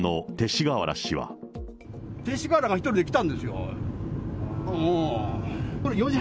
勅使河原が１人で来たんですよ。